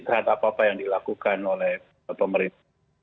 terhadap apa apa yang dilakukan oleh pemerintah